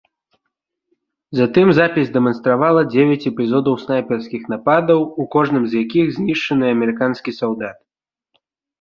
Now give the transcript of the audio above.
Затым запіс дэманстравала дзевяць эпізодаў снайперскіх нападаў, у кожным з якіх знішчаны амерыканскі салдат.